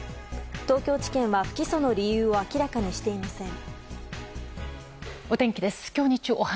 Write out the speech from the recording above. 東京地検は不起訴の理由を明らかにしていません。